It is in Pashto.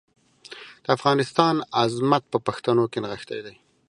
د افغانستان عظمت په پښتنو کې نغښتی دی.